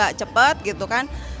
nggak cepat gitu kan